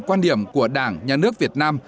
quan điểm của đảng nhà nước việt nam